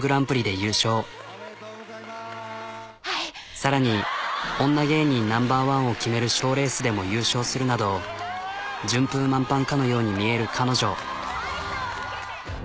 さらに女芸人ナンバーワンを決める賞レースでも優勝するなど順風満帆かのように見える彼女。